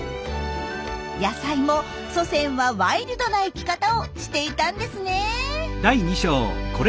野菜も祖先はワイルドな生き方をしていたんですね。